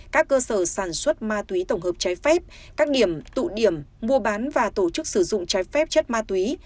các cơ sở sản xuất ma túy tổng hợp trái phép các điểm tụ điểm mua bán và tổ chức sử dụng trái phép chất ma túy